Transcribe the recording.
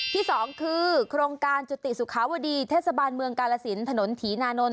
ที่สองคือโครงการจุติสุขาวดีเทศบาลเมืองกาลสินถนนถีนานนท